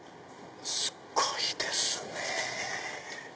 すっごいですねぇ。